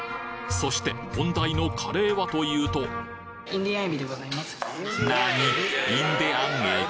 そして本題のカレーはというとなに？